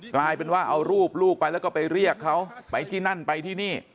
กลายเป็นว่าเอารูปลูกไปแล้วก็ไปเรียกเขาไปที่นั่นไปที่นี่